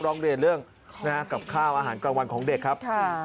ร้องเรียนเรื่องกับข้าวอาหารกลางวันของเด็กครับ